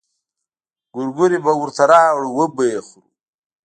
ګورګورې به ورته راوړو وبه يې خوري.